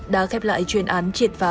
đã khép lại chuyên án triệt phá